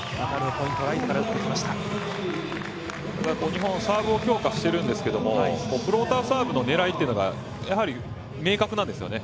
日本、サーブを強化してるんですけどフローターサーブの狙いというのが明確なんですよね。